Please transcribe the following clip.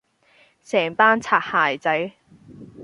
成班擦鞋仔